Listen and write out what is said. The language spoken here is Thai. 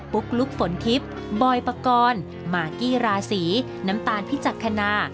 ุ๊กลุ๊กฝนทิพย์บอยปกรณ์มากกี้ราศีน้ำตาลพิจักษณา